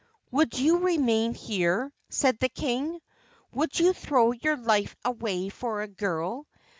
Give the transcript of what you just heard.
would you remain here?" said the king. "Would you throw your life away for a girl?